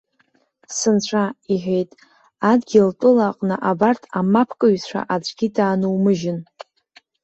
Сынцәа!- иҳәеит:- Адгьылтәыла аҟны абарҭ амапкыҩцәа аӡәгьы даанумыжьын!